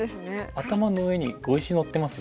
頭の上に碁石のってます？